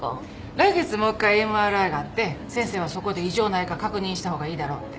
来月もう１回ＭＲＩがあって先生はそこで異常ないか確認した方がいいだろうって。